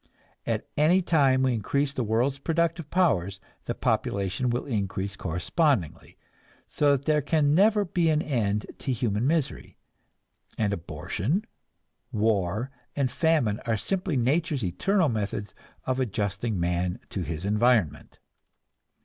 At any time we increase the world's productive powers, population will increase correspondingly, so there can never be an end to human misery, and abortion, war and famine are simply nature's eternal methods of adjusting man to his environment.